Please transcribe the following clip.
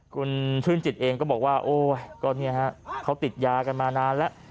คุณชื่นจิตเองก็บอกว่าโอ้ยก็เนี่ยฮะเขาติดยากันมานานแล้ว